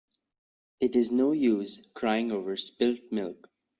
It is no use crying over spilt milk.